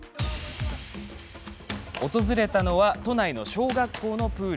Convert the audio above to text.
訪れたのは都内の小学校のプール。